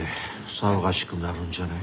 騒がしくなるんじゃない？